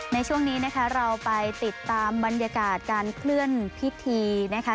ในช่วงนี้นะคะเราไปติดตามบรรยากาศการเคลื่อนพิธีนะคะ